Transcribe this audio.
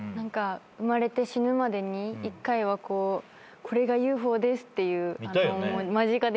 生まれて死ぬまでに１回はこれがＵＦＯですって間近で見てみたい。